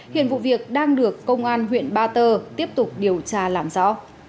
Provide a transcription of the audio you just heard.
hiện vụ việc đang được công an huyện ba tơ tiếp tục điều tra làm rõ